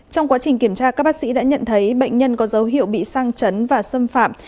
trong quá trình kiểm tra các bác sĩ đã nhận thấy bệnh nhân có dấu hiệu bị sang chấn và xâm phạm